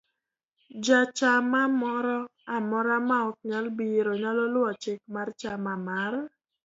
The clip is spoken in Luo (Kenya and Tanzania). Jachamamoro amora ma ok nyal biro, nyalo luwo chik mar chama mar